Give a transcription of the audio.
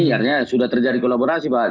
artinya sudah terjadi kolaborasi pak